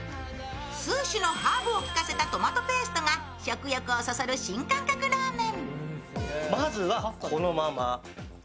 数種のハーブをきかせたトマトペーストが食欲をそそる新感覚ラーメン。